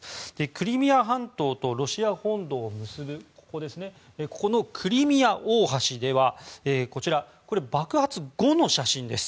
クリミア半島とロシア本土を結ぶここのクリミア大橋では、こちらこれは爆発後の写真です。